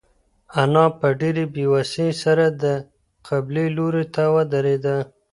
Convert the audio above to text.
انا په ډېرې بېوسۍ سره د قبلې لوري ته ودرېده.